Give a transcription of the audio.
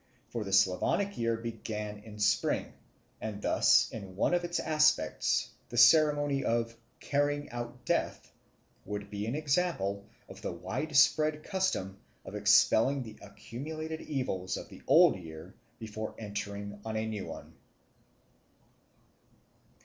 For the Slavonic year began in spring; and thus, in one of its aspects, the ceremony of "carrying out Death" would be an example of the widespread custom of expelling the accumulated evils of the old year before entering on a new one.